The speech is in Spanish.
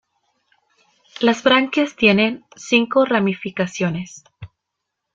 Las branquias tienen cinco ramificaciones.